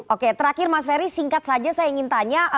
oke terakhir mas ferry singkat saja saya ingin tanya